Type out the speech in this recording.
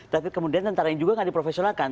tapi kemudian tentara yang juga nggak diprofesionalkan